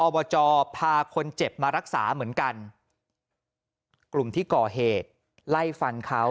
บจพาคนเจ็บมารักษาเหมือนกันกลุ่มที่ก่อเหตุไล่ฟันเขา